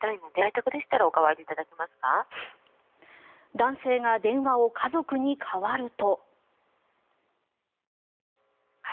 男性が電話を家族に代わると。